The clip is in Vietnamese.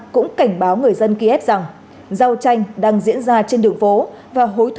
của nga đã đề xuất